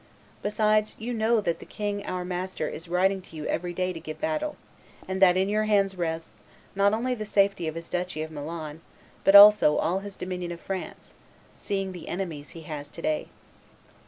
Besides, you know that the king our master is writing to you every day to give battle, and that in your hands rests, not only the safety of his duchy of Milan, but also all his dominion of France, seeing the enemies he has to day.